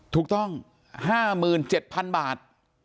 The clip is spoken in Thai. ถูกต้อง๕๗๐๐๐บาท